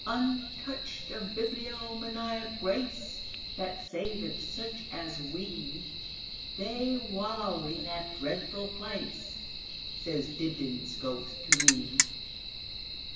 Untouched of bibliomaniac grace, That saveth such as we, They wallow in that dreadful place,"Says Dibdin's ghost to me.